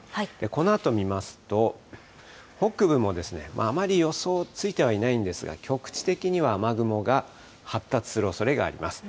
このあと見ますと、北部もあまり予想ついてはいないんですが、局地的には雨雲が発達するおそれがあります。